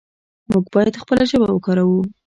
موږ باید خپله ژبه وکاروو.